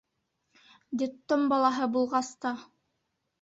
Детдом балаһы булғас та.